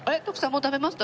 もう食べました？